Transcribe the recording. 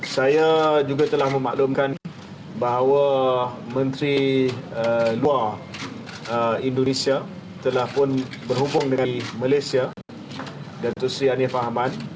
saya juga telah memaklumkan bahwa menteri luar indonesia telah pun berhubung dengan di malaysia dato' sri aniefah aman